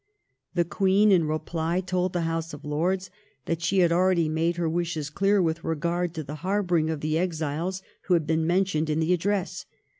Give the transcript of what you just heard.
The Queen, in reply, told the House of Lords that she had already made her wishes clear with regard to the harbouring of the exiles who had been mentioned in the Address.